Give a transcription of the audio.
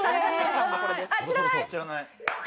知らない。